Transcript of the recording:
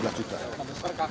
per kakak banyak